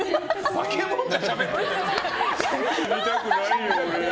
化け物がしゃべってる。